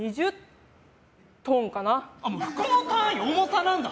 服の単位、重さなんだ。